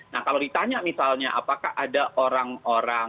nah kalau ditanya misalnya apakah ada orang orang